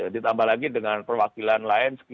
ditambah lagi dengan perwakilan lain